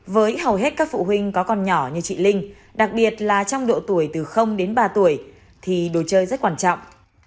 với hầu hết các phụ huynh có con nhỏ như chị linh đặc biệt là trong độ tuổi từ đến ba tuổi thì đồ chơi rất quan trọng